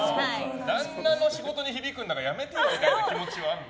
旦那の仕事に響くんだからやめてよみたいな気持ちはあるの？